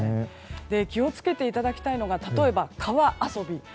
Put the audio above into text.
気を付けていただきたいのが例えば川遊び。